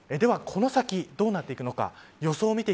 ではこの先どうなっていくのか。